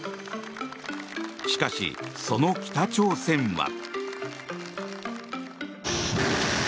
しかし、その北朝鮮は。